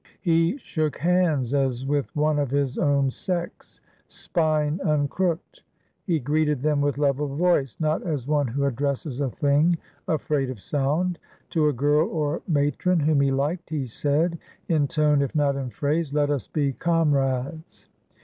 He shook hands as with one of his own sex, spine uncrooked; he greeted them with level voice, not as one who addresses a thing afraid of sound. To a girl or matron whom he liked, he said, in tone if not in phrase, "Let us be comrades."